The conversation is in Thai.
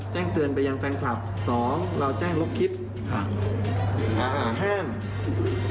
แจ้งเตือนไปยังแฟนคลับสองเราแจ้งลบคลิปค่ะอ่าห้าม